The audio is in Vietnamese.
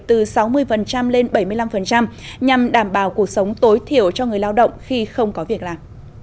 từ sáu mươi lên bảy mươi năm nhằm đảm bảo cuộc sống tối thiểu cho người lao động khi không có việc làm